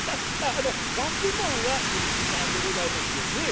あの学問は天神さんでございますよね。